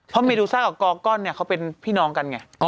เพราะเมนูซ่ากับกอก้อนเนี่ยเขาเป็นพี่น้องกันไง